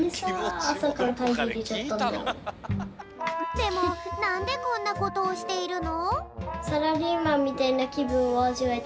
でもなんでこんなことをしているの？